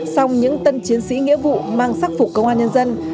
song những tân chiến sĩ nghĩa vụ mang sắc phục công an nhân dân